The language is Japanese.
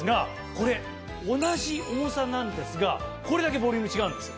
これ同じ重さなんですがこれだけボリューム違うんです。